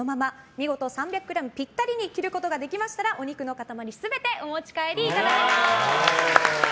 見事３００ｇピッタリに切ることができましたらお肉の塊全てお持ち帰りいただけます。